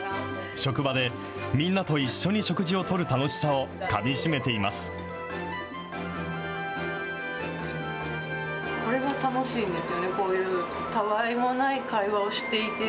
職場で、みんなと一緒に食事をとる楽しさをかみしめています。